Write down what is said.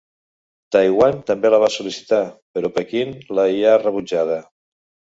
Taiwan també la va sol·licitar, però Pequín la hi ha rebutjada.